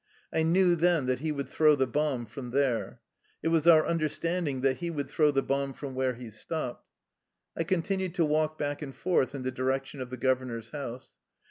I knew then that he would throw the bomb from there. It was our understanding that he would throw the bomb from where he stopped. I continued to walk back and forth in the direction of the governor's house.